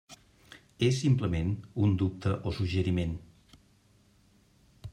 És, simplement, un dubte o suggeriment.